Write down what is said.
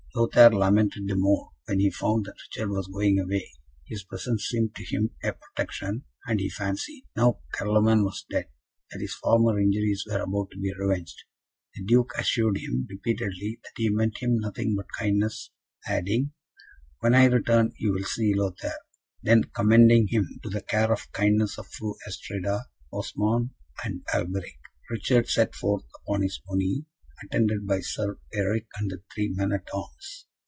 Lothaire lamented the more when he found that Richard was going away; his presence seemed to him a protection, and he fancied, now Carloman was dead, that his former injuries were about to be revenged. The Duke assured him, repeatedly, that he meant him nothing but kindness, adding, "When I return, you will see, Lothaire;" then, commending him to the care and kindness of Fru Astrida, Osmond, and Alberic, Richard set forth upon his pony, attended by Sir Eric and three men at arms.